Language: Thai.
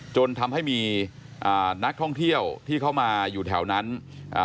จนทำให้มีอ่านักท่องเที่ยวที่เข้ามาอยู่แถวนั้นอ่า